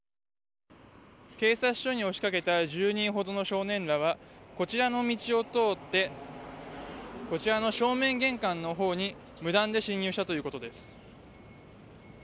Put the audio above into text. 警察署に押し掛けた１０人ほどの少年らはこちらの道を通って正面玄関のほうに無断で侵入したということです。